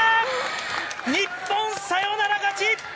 日本、サヨナラ勝ち！